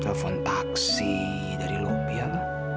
telepon taksi dari lo biar